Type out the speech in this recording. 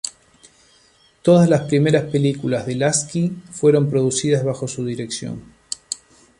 Todas las primeras películas de Lasky fueron producidas bajo su dirección.